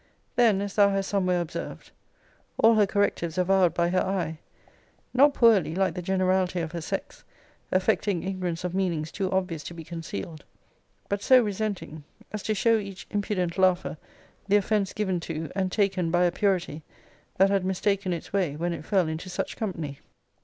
Then, as thou hast somewhere observed,* all her correctives avowed by her eye. Not poorly, like the generality of her sex, affecting ignorance of meanings too obvious to be concealed; but so resenting, as to show each impudent laugher the offence given to, and taken by a purity, that had mistaken its way, when it fell into such company.